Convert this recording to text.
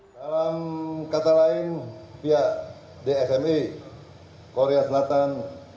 dalam kata lain pihak dsmi korea selatan